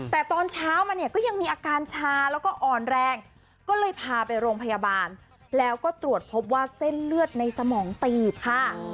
แต่ตอนเช้ามาเนี่ยก็ยังมีอาการชาแล้วก็อ่อนแรงก็เลยพาไปโรงพยาบาลแล้วก็ตรวจพบว่าเส้นเลือดในสมองตีบค่ะ